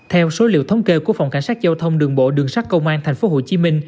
theo số liệu thống kê của phòng cảnh sát giao thông đường bộ đường sát công an tp hcm